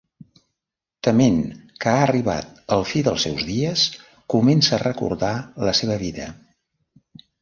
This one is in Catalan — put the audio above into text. Tement que ha arribat el fi dels seus dies comença a recordar la seva vida.